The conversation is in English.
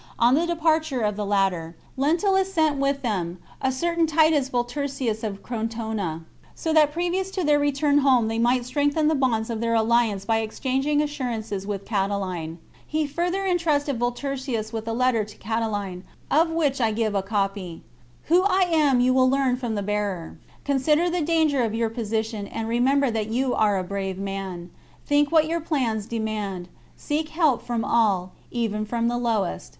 On the departure of the latter, Lentulus sent with them a certain Titus Vol turcius of Crotona, so that previous to their return home they might strengthen the bonds of their alliance by exchanging assurances with Catiline. He further entrusted Volturcius with a letter to Catiline, of which I give a copy :—" Who I am you will learn from the bearer. Consider the danger of your position, and remember that you are a brave man. Think what your plans demand ; seek help from all, even from the lowest."